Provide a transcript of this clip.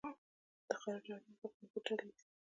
د خاورې ډولونه په اقلیم پورې تړلي دي.